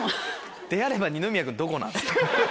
であれば二宮君どこ？